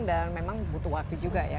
dan memang butuh waktu juga ya